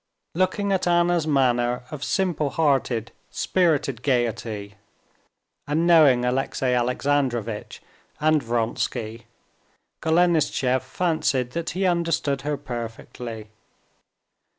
Looking at Anna's manner of simple hearted, spirited gaiety, and knowing Alexey Alexandrovitch and Vronsky, Golenishtchev fancied that he understood her perfectly.